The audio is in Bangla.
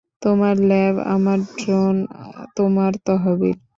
তোমার ল্যাব, তোমার ড্রোন, তোমার তহবিল!